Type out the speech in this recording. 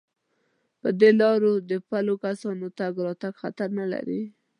په دې لارو د پلو کسانو تگ او راتگ خطر نه لري.